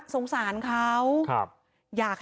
สงสารเขา